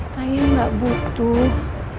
saya gak butuh